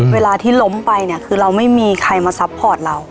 เวลาที่ล้มไปเนี่ยคือเราไม่มีใครมาซัพพอร์ตเรา